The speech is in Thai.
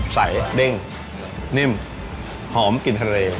เด้งนิ่มหอมกลิ่นทะเล